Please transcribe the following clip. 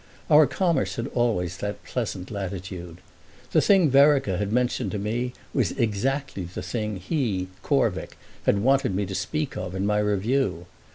Our commerce had always that pleasant latitude. The thing Vereker had mentioned to me was exactly the thing he, Corvick, had wanted me to speak of in my review.